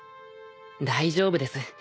大丈夫です。